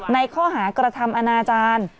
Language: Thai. ในข้อหากระทำอนาจารย์